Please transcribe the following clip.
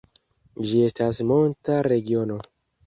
Ĝi estas monta regiono.